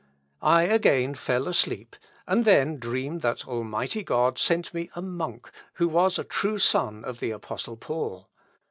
I again fell asleep, and then dreamed that Almighty God sent me a monk, who was a true son of the Apostle Paul.